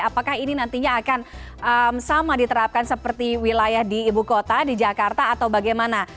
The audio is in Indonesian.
apakah ini nantinya akan sama diterapkan seperti wilayah di ibu kota di jakarta atau bagaimana